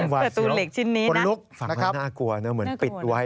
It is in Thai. ประตูเหล็กชิ้นนี้นะนะครับน่ากลัวนะเหมือนปิดไว้